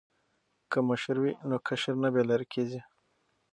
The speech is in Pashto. که مشر وي نو کشر نه بې لارې کیږي.